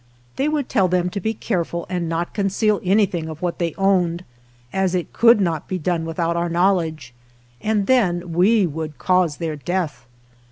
They would tell them to be careful and not conceal anything of what they owned, as it could not be done with out our knowledge, and then we would cause their death.